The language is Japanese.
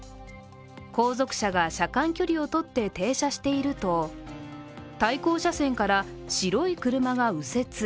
後続車が車間距離を取って停車していると対向車線から白い車が右折。